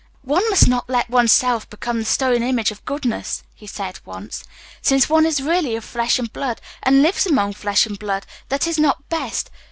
"One must not let one's self become the stone image of goodness," he said once. "Since one is really of flesh and blood, and lives among flesh and blood, that is not best.